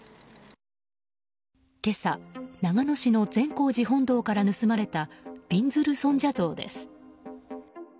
今朝、長野市の善光寺本堂から盗まれたびんずる尊者像です。